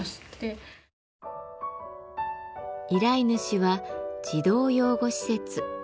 依頼主は児童養護施設。